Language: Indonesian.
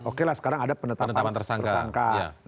oke lah sekarang ada penetapan tersangka